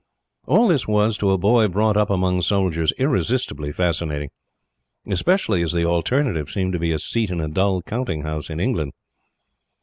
All this was, to a boy brought up among soldiers, irresistibly fascinating; especially as the alternative seemed to be a seat in a dull counting house in England.